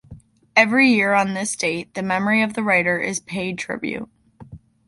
Every year on this date, the memory of the writer is paid tribute.